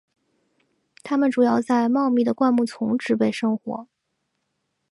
它们主要在浓密的灌木丛植被生活。